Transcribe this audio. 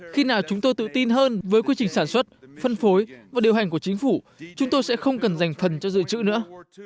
khi nào chúng tôi tự tin hơn với quy trình sản xuất phân phối và điều hành của chính phủ chúng tôi sẽ không cần dành phần cho dự trữ nữa